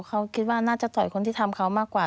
เขาคิดว่าน่าจะต่อยคนที่ทำเขามากกว่า